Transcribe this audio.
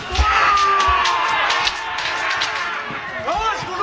よし！